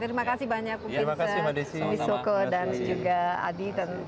terima kasih banyak bung pinsa wisoko dan juga adi